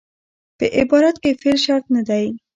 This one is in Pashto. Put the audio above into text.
په عبارت کښي فعل شرط نه دئ.